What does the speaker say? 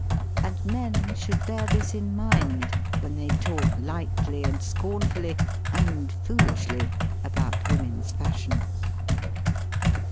And men should bear this in mind when they talk lightly and scornfully (and foolishly) about women's fash ions.